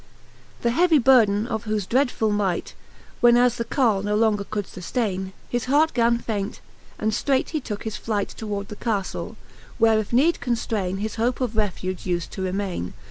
XXII. The heavy burden of whofe dreadfuU might When as the Carle no longer could fuflaine^ His heart gan faint, and flreight he tooke his flight Toward the Caftle, where if need confl:raine, His hope of refuge ufed to remaine.